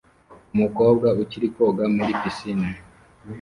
umukobwa ukiri koga muri pisine